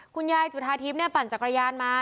คุณยายจุธาทิพย์ปั่นจักรยานมา